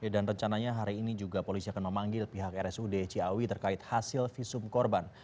dan rencananya hari ini juga polisi akan memanggil pihak rsud ciawi terkait hasil visum korban